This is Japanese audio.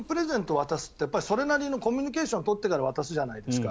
渡すってそれなりのコミュニケーションを取ってから渡すじゃないですか。